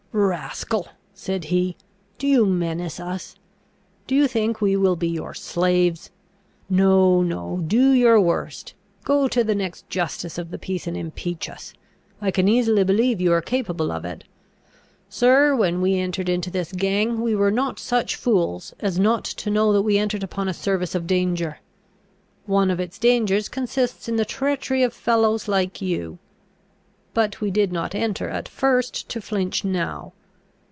"Rascal!" said he, "do you menace us? Do you think we will be your slaves? No, no, do your worst! Go to the next justice of the peace, and impeach us; I can easily believe you are capable of it. Sir, when we entered into this gang, we were not such fools as not to know that we entered upon a service of danger. One of its dangers consists in the treachery of fellows like you. But we did not enter at first to flinch now.